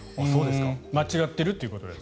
間違ってるということですか。